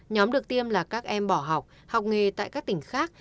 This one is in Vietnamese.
nhóm được tiêm là các em bỏ học học nghề tại các tỉnh khác